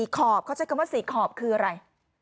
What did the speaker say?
ขอบเขาใช้คำว่า๔ขอบคืออะไร